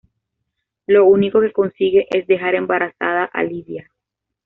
Lo único que consigue es dejar embarazada a Livia.